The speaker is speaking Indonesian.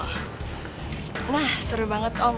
nah seru banget om